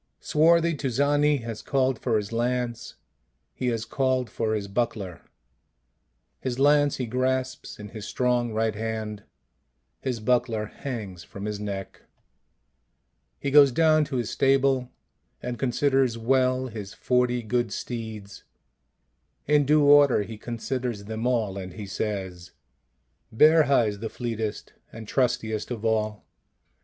Swarthy Tuzani has called for his lance, he has called for his buckler; his lance he grasps in his strong right hand; his buckler hangs from his neck. He goes down to his stable, and con siders well his forty good steeds; in due order he considers them all, and he says: " Berja is the fleetest and trustiest of all.